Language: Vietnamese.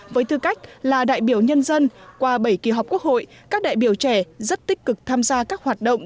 với tư cách là đại biểu nhân dân qua bảy kỳ họp quốc hội các đại biểu trẻ rất tích cực tham gia các hoạt động